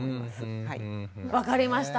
分かりました。